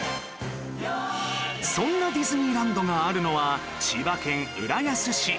そんなディズニーランドがあるのは千葉県浦安市